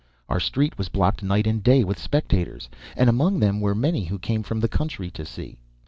Our street was blocked night and day with spectators, and among them were many who came from the country to see.